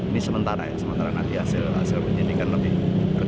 ini sementara ya sementara nanti hasil hasil berjadikan lebih baik